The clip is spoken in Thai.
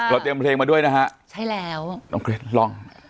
เดี๋ยวเตรียมเพลงมาด้วยนะคะน้องเกรดลอง